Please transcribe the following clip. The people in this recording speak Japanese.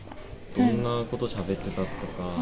どんなことしゃべってたとか？